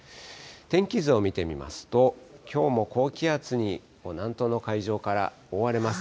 天気図を見てみますと、きょうも高気圧に南東の海上から覆われます。